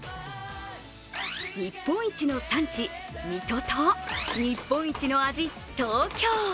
日本一の産地・水戸と日本一の味・東京。